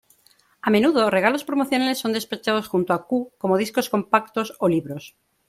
A menudo, regalos promocionales son despachados junto a "Q", como discos compactos o libros.